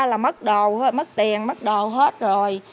là mất đồ mất tiền mất đồ hết rồi